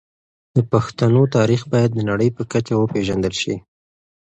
د پښتنو تاريخ بايد د نړۍ په کچه وپېژندل شي.